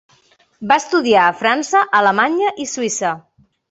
Va estudiar a França, Alemanya i Suïssa.